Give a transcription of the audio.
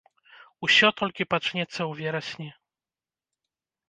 Усё толькі пачнецца ў верасні.